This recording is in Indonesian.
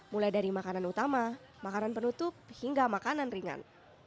mulai dari makanan utama makanan penutup hingga makanan ringan